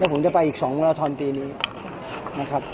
ผมจะไปอีก๒ราทอนปีนี้นะครับ